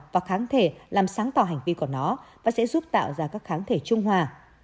và kháng thể làm sáng tỏ hành vi của nó và sẽ giúp tạo ra các kháng thể trung hòa